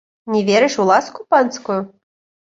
Не верыш у ласку панскую?